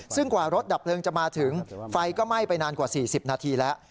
ซึ่งกว่ารถดับเพลิงจะมาถึงไฟก็ไหม้ไปนานกว่า๔๐นาทีแล้ว